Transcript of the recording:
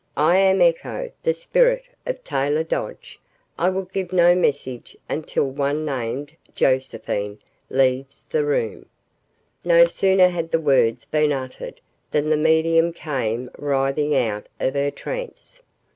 "I am Eeko the spirit of Taylor Dodge. I will give no message until one named Josephine leaves the room." No sooner had the words been uttered than the medium came writhing out of her trance.